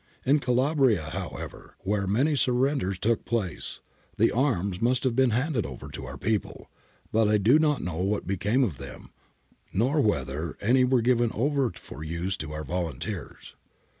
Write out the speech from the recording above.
In Calabria, however, where many surrenders took place, the arms must have been handed over to our people ; but I do not know what became of them, nor whether any were given over for use to our volunteers.